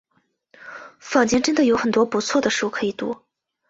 坊间真的有很多不错的书可以读